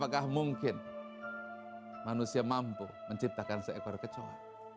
apakah mungkin manusia mampu menciptakan seekor kecoa